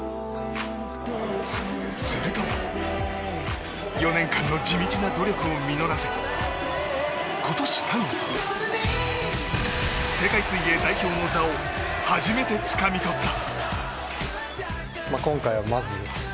すると４年間の地道な努力を実らせ今年３月、世界水泳代表の座を初めてつかみ取った。